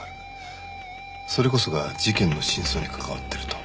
それこそが事件の真相に関わってると？